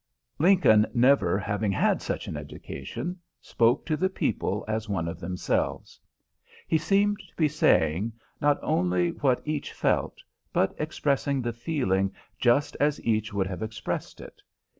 Lincoln, never having had such an education, spoke to the people as one of themselves. He seemed to be saying not only what each felt, but expressing the feeling just as each would have expressed it.